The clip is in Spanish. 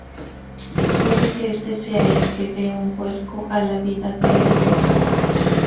Puede que este sea el que de un vuelco a la vida de Rebecca.